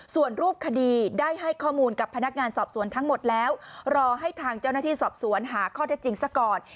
ส่วนรูปคดีได้ให้ข้อมูลกับพนักงานสอบสวนทั้งหมดแล้วรอให้ทางเจ้าหน้าที่สอบสวนหาข้อเท็จจริงซะก่อน